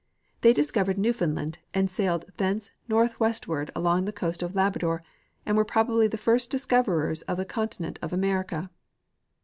They discovered Newfound land and sailed thence northeastward along the coast of Labra dor, and were probably the first discoverers of the continent of America.